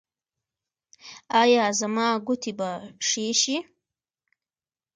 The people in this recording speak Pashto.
ایا زما ګوتې به ښې شي؟